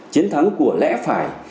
chiến thắng của lẽ phải